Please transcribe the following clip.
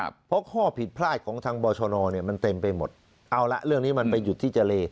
เพราะข้อผิดพลาดของทางบอชนเนี่ยมันเต็มไปหมดเอาละเรื่องนี้มันไปหยุดที่เจร